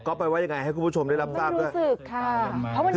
ก็ไปว่ายังไงคุณชมรับรับสิค่ะเพราะมันอยู่ข้างในเป็นอะไร